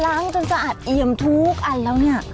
ล้างจนจะอาดเอียมทุกอันแล้วนี่